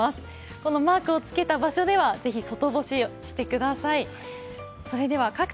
このマークをつけた場所では、ぜひ外干ししてください。